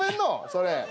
それ。